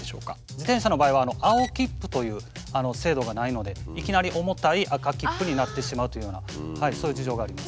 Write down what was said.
自転車の場合は青切符という制度がないのでいきなり重たい赤切符になってしまうというようなそういう事情があります。